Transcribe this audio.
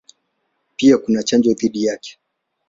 Pia kuna chanjo dhidi yake.